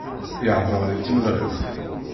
Yeḥḍer i tmenɣiwt.